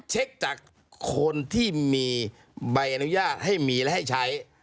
เช็คจากคนที่มีใบอนุญาตให้มีและให้ใช้